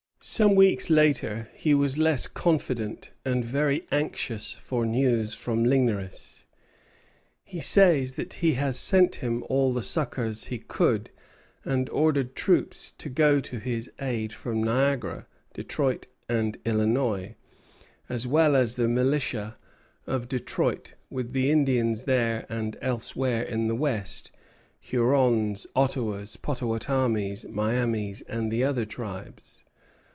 Some weeks later he was less confident, and very anxious for news from Ligneris. He says that he has sent him all the succors he could, and ordered troops to go to his aid from Niagara, Detroit, and Illinois, as well as the militia of Detroit, with the Indians there and elsewhere in the West, Hurons, Ottawas, Pottawattamies, Miamis, and other tribes.